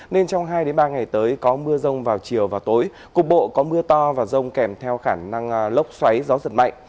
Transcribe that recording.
nên trong hai ba ngày tới có mưa rông vào chiều và tối cục bộ có mưa to và rông kèm theo khả năng lốc xoáy gió giật mạnh